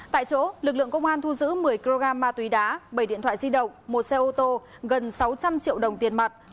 tại chỗ lực lượng công an thu giữ một mươi kg ma túy đá bảy điện thoại di động một xe ô tô gần sáu trăm linh triệu đồng tiền mặt